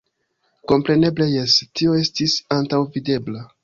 Kompreneble jes, tio estis antaŭvidebla.